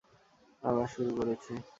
আবার শুরু করেছে।